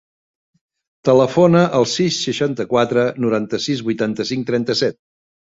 Telefona al sis, seixanta-quatre, noranta-sis, vuitanta-cinc, trenta-set.